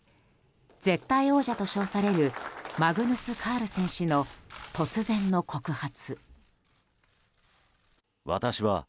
絶対王者と称されるマグヌス・カールセン氏の突然の告発。